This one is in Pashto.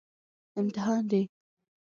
امتحان دی